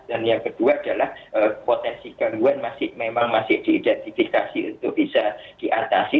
dan yang kedua adalah potensi keluargaan memang masih diidentifikasi untuk bisa diatasi